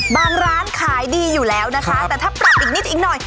ร้านขายดีอยู่แล้วนะคะแต่ถ้าปรับอีกนิดอีกหน่อย